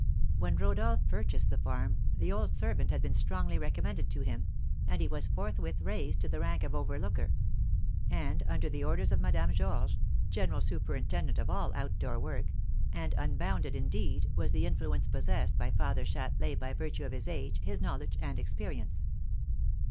When Rodolph purchased the farm, the old servant had been strongly recommended to him, and he was forthwith raised to the rank of overlooker, and, under the orders of Madame Georges, general superintendent of all outdoor work; and unbounded, indeed, was the influence possessed by Father Châtelain by virtue of his age, his knowledge, and experience.